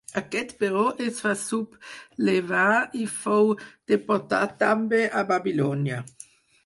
Aquest però es va sublevar i fou deportat també a Babilònia.